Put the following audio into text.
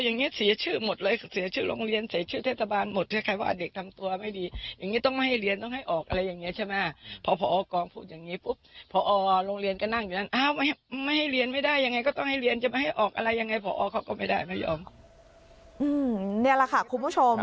นี่แหละค่ะคุณผู้ชม